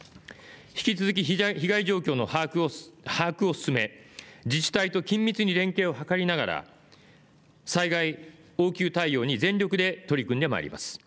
引き続き被害状況の把握を進め自治体と緊密に連携を図りながら災害応急対応に全力で取り組んでまいります。